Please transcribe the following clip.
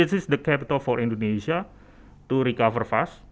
ini adalah kapital indonesia untuk kembang cepat